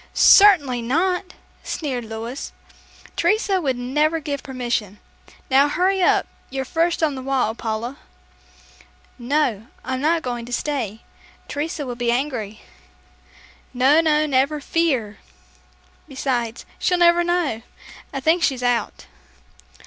"Certainly not," sneered Louis. "Teresa would never give permission. Now, hurry up, you're first on the wall, Paula." "No, I'm not going to stay. Teresa will be angry." "No, no, never fear. Besides, she'll never know. I think she's out."